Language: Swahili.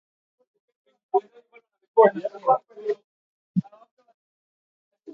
Tetekuwanga au Vipele vya ngamia